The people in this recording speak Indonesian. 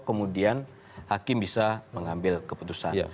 kemudian hakim bisa mengambil keputusan